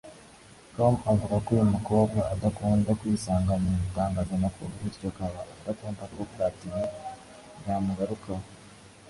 com avuga ko uyu mukobwa adakunda kwisanga mu itangazamakuru bityo akaba adakunda ko Platini yamugarukaho